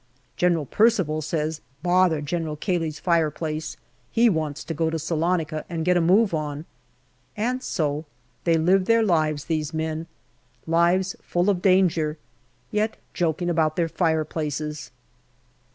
General Percival says bother General Cayley's fireplace; he wants to go to Salonica and get a move on. And so they live their lives, these men lives full of danger, yet joking about their fireplaces.